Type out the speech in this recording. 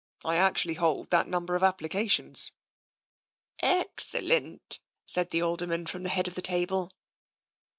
I actually hold that number of ap plications." '* Excellent," said the Alderman, from the head of the table.